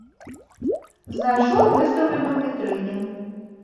Знайшоў выстаўлены ў вітрыне.